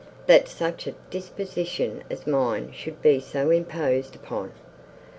That such a disposition as mine should be so imposed upon!